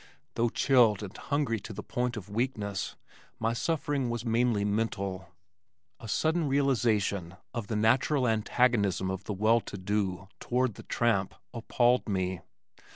Though chilled and hungry to the point of weakness, my suffering was mainly mental. A sudden realization of the natural antagonism of the well to do toward the tramp appalled me.